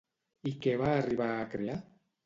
I què va arribar a crear?